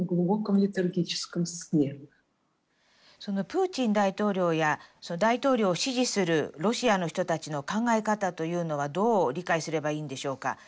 プーチン大統領や大統領を支持するロシアの人たちの考え方というのはどう理解すればいいんでしょうか？